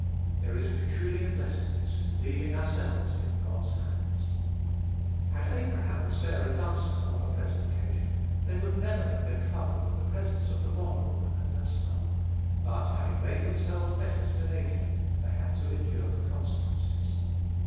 There is peculiar blessedness in leaving ourselves in God's hands. Had Abraham and Sarah done so on the present occasion, they would never have been troubled with the presence of the bond woman and her son; but, having made themselves debtors to nature, they had to endure the consequences.